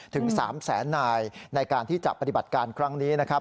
ถึง๓แสนนายในการที่จะปฏิบัติการครั้งนี้นะครับ